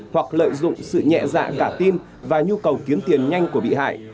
hoặc lợi dụng sự nhẹ dạ cả tin và nhu cầu kiếm tiền nhanh của bị hại